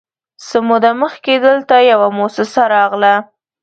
_څه موده مخکې دلته يوه موسسه راغله،